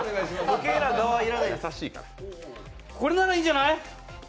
これならいいんじゃない？